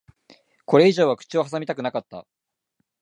これ以上は口を挟みたくなかった。